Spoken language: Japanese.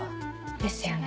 ですよね。